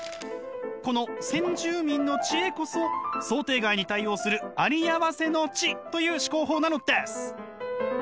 この先住民の知恵こそ想定外に対応するありあわせの知という思考法なのです！